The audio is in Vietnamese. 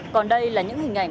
còn đây là những hình ảnh